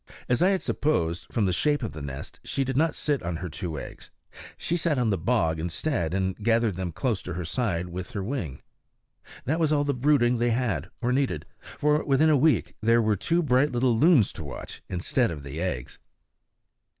As I had supposed, from the shape of the nest, she did not sit on her two eggs; she sat on the bog instead, and gathered them close to her side with her wing. That was all the brooding they had, or needed; for within a week there were two bright little loons to watch instead of the eggs.